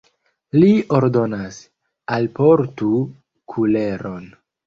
li ordonas: alportu kuleron!